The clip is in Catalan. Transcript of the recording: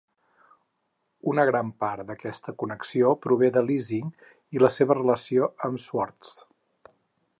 Una gran part d'aquesta connexió prové de Lessig i la seva relació amb Swartz.